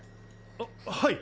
あっはい。